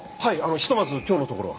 ひとまず今日のところは。